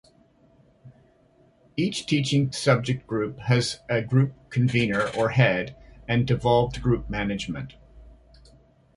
Each teaching subject group has a group convenor or head, and devolved group management.